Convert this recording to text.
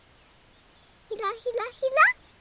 ひらひらひら。